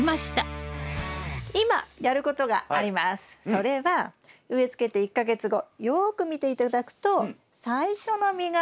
それは植えつけて１か月後よく見て頂くと最初の実ができています。